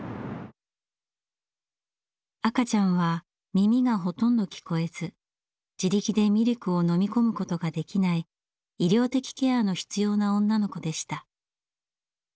赤ちゃんは耳がほとんど聞こえず自力でミルクを飲み込むことができない医療的ケアの必要な女の子でした。